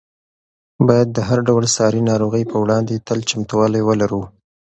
باید د هر ډول ساري ناروغۍ په وړاندې تل چمتووالی ولرو.